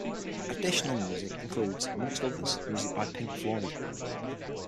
Additional music includes, amongst others, music by Pink Floyd.